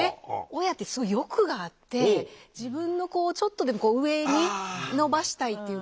親ってすごい欲があって自分の子をちょっとでも上に伸ばしたいっていうか。